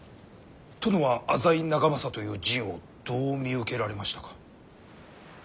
殿は浅井長政という仁をどう見受けられましたか？